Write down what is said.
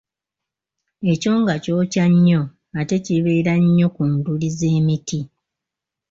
Ekyonga kyokya nnyo ate kibeera nnyo ku nduli z’emiti.